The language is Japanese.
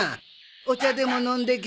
お茶でも飲んでけ。